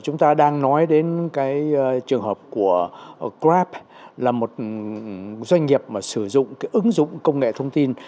chúng ta đang nói đến trường hợp của grab là một doanh nghiệp sử dụng ứng dụng công nghệ thông tin